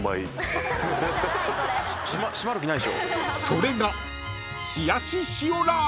［それが］